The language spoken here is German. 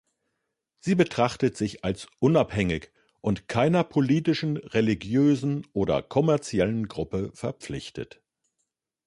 Sie betrachtet sich als unabhängig und keiner politischen, religiösen oder kommerziellen Gruppe verpflichtet.